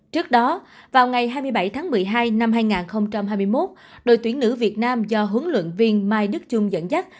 trước đó vào ngày hai mươi bảy tháng một mươi hai năm hai nghìn hai mươi một đội tuyển nữ việt nam do huấn luyện viên mai đức trung dẫn dắt